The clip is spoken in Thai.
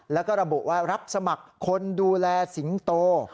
แล้วก็ระบุว่ารับสมัครคนดูแลสิงโต